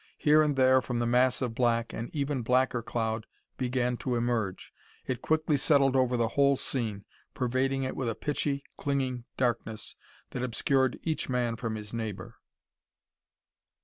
Here and there from the mass of black an even blacker cloud began to emerge. It quickly settled over the whole scene, pervading it with a pitchy, clinging darkness that obscured each man from his neighbor.